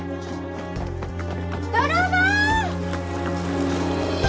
泥棒！